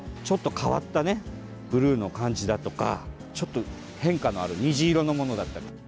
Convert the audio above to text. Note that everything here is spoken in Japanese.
ちょっと変わったブルーの感じだとかちょっと変化のある虹色のものだったり。